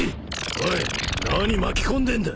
おい何巻き込んでんだ。